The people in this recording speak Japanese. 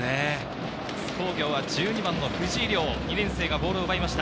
津工業は１２番の藤井瞭に２年生がボールを奪いました。